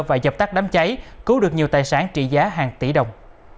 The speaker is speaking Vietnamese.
và dập tắt đám cháy cứu được nhiều tài sản trị giá hàng tỷ đồng